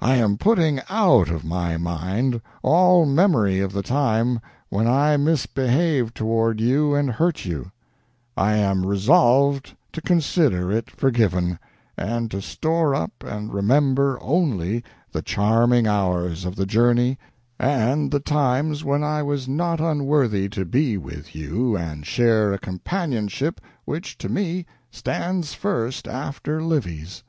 I am putting out of my mind all memory of the time when I misbehaved toward you and hurt you; I am resolved to consider it forgiven, and to store up and remember only the charming hours of the journey and the times when I was not unworthy to be with you and share a companionship which to me stands first after Livy's."